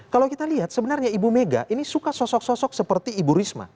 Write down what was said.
kalau kita lihat sebenarnya ibu mega ini suka sosok sosok seperti ibu risma